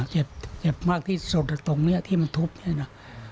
เจ็บเจ็บมากที่สุดตรงนี้ที่มันทุบเนี่ยนะ